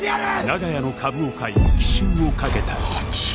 長屋の株を買い奇襲をかけた